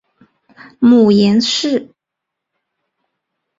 母颜氏。